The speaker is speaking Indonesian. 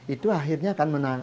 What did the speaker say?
itu akhirnya akan menghasilkan